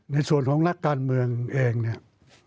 ในส่วนของนักการเมืองเองเนี่ย